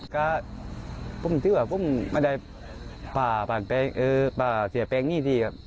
ก็พุ่มเที่ยวครับพุ่มไม่ได้ป่าป่านแปงเออป่าเสียแปงนี่สิครับ